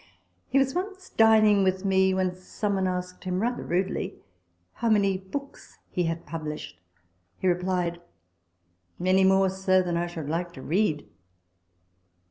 He was once dining with me, when some one asked him (rather rudely) " how many books he had published ?" He replied, " Many more, sir, than I should like to read."